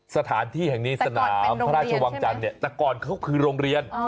สถานที่แห่งนี้สนามพระราชวังจันทร์เนี่ยแต่ก่อนเขาคือโรงเรียน